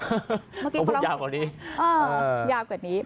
เมื่อกี้พอร้องอ๋อยาวกว่านี้